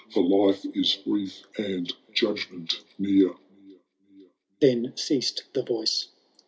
For life ii brief and Judgment near. IX. Then eeaied The Yoioe.